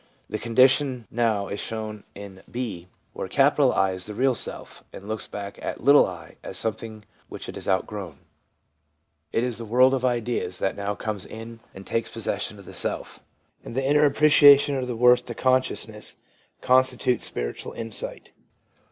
The condition now is shown in % (J?) where ' I ' is the real self, and looks back at ' i } as something which it has out grown. It is the world of ideas that now comes in and 18 254 THE PSYCHOLOGY OF RELIGION takes possession of the self; and the inner appreciation of their worth to consciousness constitutes spiritual insight.